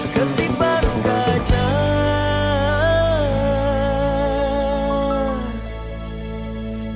ketik barung kacang